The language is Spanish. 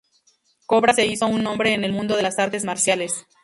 Kobra se hizo un nombre en el mundo de las artes marciales.